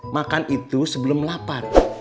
makan itu sebelum lapar